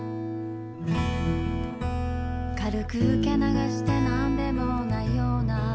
「軽く受け流して何でもないような」